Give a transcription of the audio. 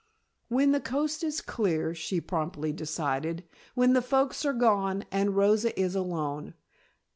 "When the coast is clear," she promptly decided. "When the folks are gone and Rosa is alone.